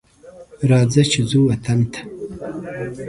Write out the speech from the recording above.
راځه چې ځو وطن ته